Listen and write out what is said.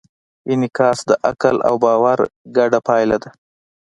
انعکاس د عقل او باور ګډه پایله ده.